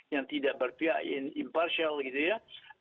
yang tidak berpihak impartial gitu ya